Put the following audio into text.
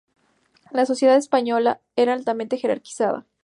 La sociedad española era altamente jerarquizada.